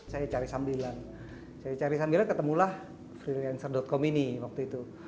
saya cari sambilan saya cari sambilan ketemulah freelancer com ini waktu itu